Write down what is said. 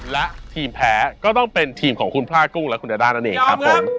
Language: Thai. และทีมแพ้ก็ต้องเป็นทีมของคุณพ่ากุ้งและคุณดาด้านั่นเองครับผม